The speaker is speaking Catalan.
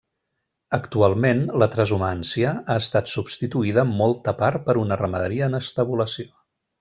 Actualment, la transhumància ha estat substituïda molta part per una ramaderia en estabulació.